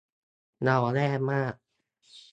เราแย่มาก